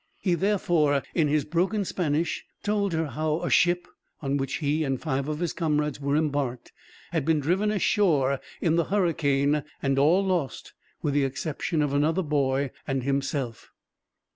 He therefore, in his broken Spanish, told her how a ship, on which he and five of his comrades were embarked, had been driven ashore in the hurricane; and all lost, with the exception of another boy, and himself.